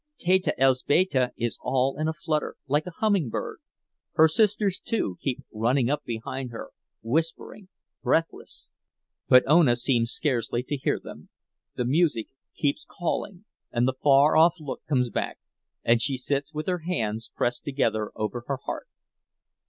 Teta Elzbieta is all in a flutter, like a hummingbird; her sisters, too, keep running up behind her, whispering, breathless. But Ona seems scarcely to hear them—the music keeps calling, and the far off look comes back, and she sits with her hands pressed together over her heart.